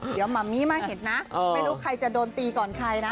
เดี๋ยวหมัมมี่มาเห็นนะไม่รู้ใครจะโดนตีก่อนใครนะ